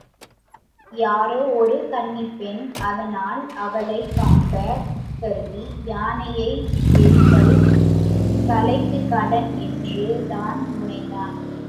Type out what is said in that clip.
யாரோ ஒரு கன்னிப் பெண் அதனால் அவளைக் காக்கக் கருதி யானையை எறிதல் களைக்குக் கடன் என்றுதான் முனைந்தான்.